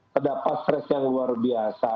terdapat stres yang luar biasa